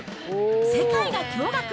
世界が驚がく！